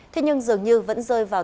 thế nhưng dường như vẫn rơi vào